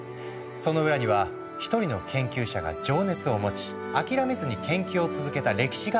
その裏には一人の研究者が情熱を持ち諦めずに研究を続けた歴史があった。